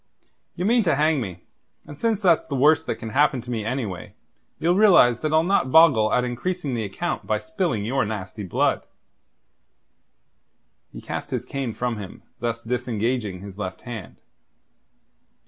Ye mean to hang me, and since that's the worst that can happen to me anyway, you'll realize that I'll not boggle at increasing the account by spilling your nasty blood." He cast his cane from him, thus disengaging his left hand.